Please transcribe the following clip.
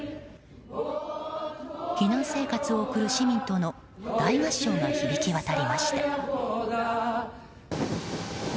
避難生活を送る市民との大合唱が響き渡りました。